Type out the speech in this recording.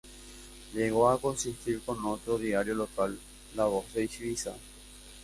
Llegó a coexistir con otro diario local, "La Voz de Ibiza".